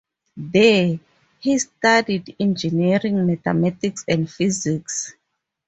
There, he studied engineering, mathematics, and physics.